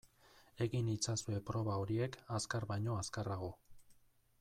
Egin itzazue proba horiek azkar baino azkarrago.